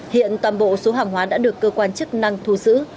hiện toàn bộ số hàng hóa đã được cơ quan chức năng thu giữ